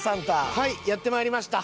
はいやってまいりました。